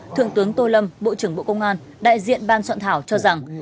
thượng tướng tô lâm bộ trưởng bộ công an đại diện bàn sẵn thảo cho rằng